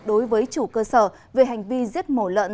đối với chủ cơ sở về hành vi giết mổ lợn